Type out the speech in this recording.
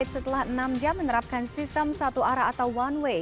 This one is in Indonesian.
setelah enam jam menerapkan sistem satu arah atau one way